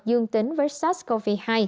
dương tính với sars cov hai